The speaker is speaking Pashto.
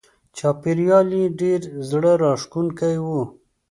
چاپېریال یې ډېر زړه راښکونکی و.